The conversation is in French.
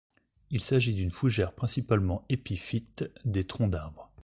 Il s'agit d'une fougère principalement épiphyte des troncs d'arbre.